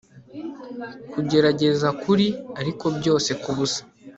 kugerageza kuri, ariko byose kubusa